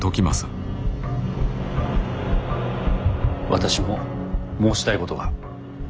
私も申したいことが。